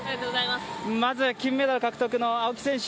まず金メダル獲得の青木選手